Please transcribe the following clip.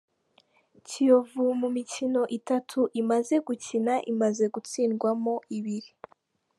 Kiyovu mu mikino itatu imaze gukina, imaze gutsindwamo ibiri.